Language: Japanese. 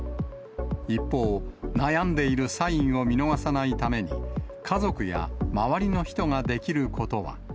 一方、悩んでいるサインを見逃さないために、家族や周りの人ができることは。